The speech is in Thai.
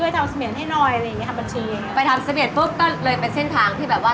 อยากให้ช่วยทำเสมียมให้น้อยอะไรแบบนี้